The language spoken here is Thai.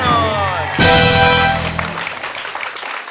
เล่นแน่นอน